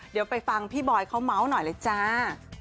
เดี๋ยวไปฟังพี่บอยเขาเมาส์หน่อยเลยจ้า